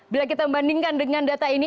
bila kita membandingkan dengan data ini